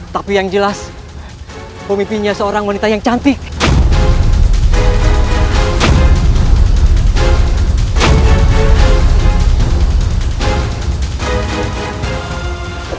tapi yang jelas pemimpinnya seorang wanita yang cantik